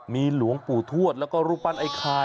มีหลวงปู่ทวดแล้วก็รูปปั้นไอ้ไข่